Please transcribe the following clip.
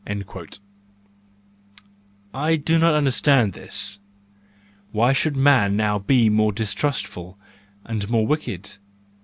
—I do not understand this; why should man now be more distrustful and more wicked?